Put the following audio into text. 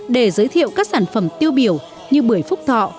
để giới thiệu các sản phẩm tiêu biểu như bưởi phúc thọ